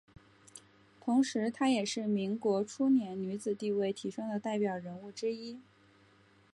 同时她也是民国初年女子地位提升的代表人物之一。